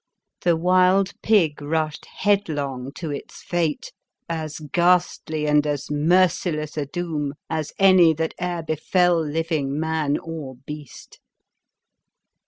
The wild pig rushed headlong to its fate, as ghastly and as merciless a doom as any that e'er befel living man or beast.